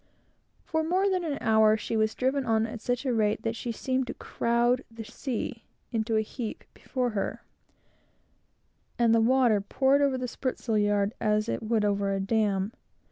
For more than an hour she was driven on at such a rate that she seemed actually to crowd the sea into a heap before her; and the water poured over the spritsail yard as it would over a dam.